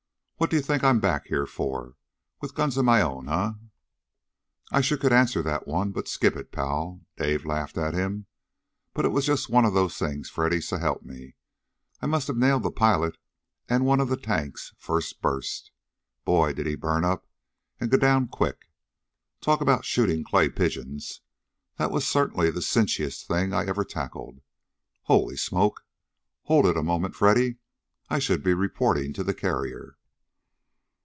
What do you think I'm back here for, with guns of my own, eh?" "I sure could answer that one, but skip it, pal!" Dave laughed at him. "But it was just one of those things, Freddy, so help me. I must have nailed the pilot and one of the tanks first burst. Boy! Did he burn up and go down quick! Talk about shooting clay pigeons! That was certainly the cinchiest thing I ever tackled. I Holy smoke! Hold it a moment, Freddy! I should be reporting to the carrier."